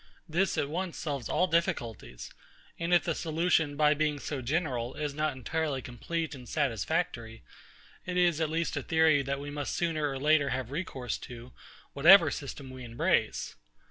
This at once solves all difficulties; and if the solution, by being so general, is not entirely complete and satisfactory, it is at least a theory that we must sooner or later have recourse to, whatever system we embrace.